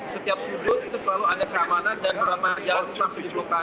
setiap sudut itu selalu ada keamanan dan peramah jalan langsung diperlukan